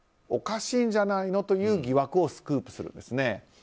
おかしいんじゃないのという疑惑をスクープするんですね。